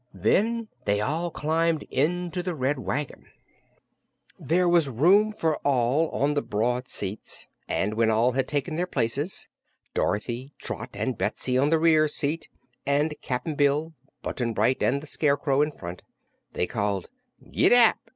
Then they all climbed into the Red Wagon. There was room for all on the broad seats, and when all had taken their places Dorothy, Trot and Betsy on the rear seat and Cap'n Bill, Button Bright and the Scarecrow in front they called "Gid dap!"